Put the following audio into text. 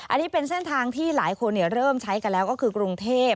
อันนี้เป็นเส้นทางที่หลายคนเริ่มใช้กันแล้วก็คือกรุงเทพ